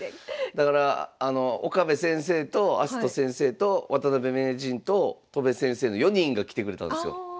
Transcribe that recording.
だから岡部先生と明日斗先生と渡辺名人と戸辺先生の４人が来てくれたんですよ。